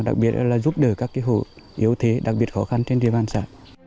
đặc biệt là giúp đỡ các hộ yếu thế đặc biệt khó khăn trên địa bàn xã